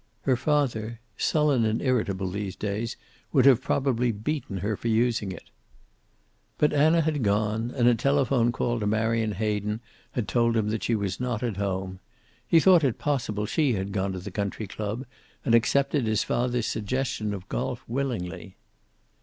Her father, sullen and irritable these days, would have probably beaten her for using it. But Anna had gone, and a telephone call to Marion Hayden had told him she was not at home. He thought it possible she had gone to the country club, and accepted his father's suggestion of golf willingly.